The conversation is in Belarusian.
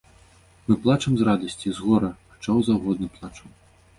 Мы плачам з радасці, з гора, ад чаго заўгодна плачам.